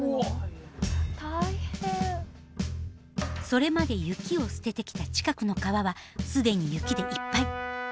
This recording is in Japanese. それまで雪を捨ててきた近くの川はすでに雪でいっぱい。